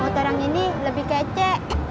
motorang ini lebih kece